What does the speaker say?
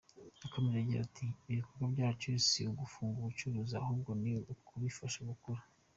Yakomeje agira ati “Ibikorwa byacu si ugufunga ubucuruzi ahubwo ni ukubifasha gukura.